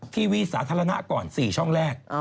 ทีวีสาธารณะก่อน๔ช่องแรก